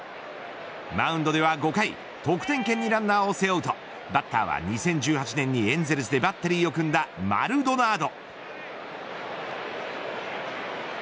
マウンドでは５回、得点圏にランナーを背負うとバッターは２０１８年にエンゼルスでバッテリーを組んだマルドナード。